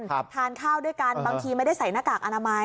ทานข้าวด้วยกันบางทีไม่ได้ใส่หน้ากากอนามัย